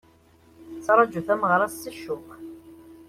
Tettraǧu tameɣra-s s ccuq.